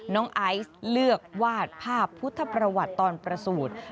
ไอซ์เลือกวาดภาพพุทธประวัติตอนประสูจน์